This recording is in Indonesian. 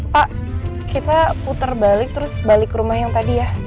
pak kita putar balik terus balik ke rumah yang tadi ya